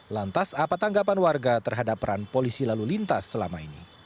lantas apa tanggapan warga terhadap peran polisi lalu lintas selama ini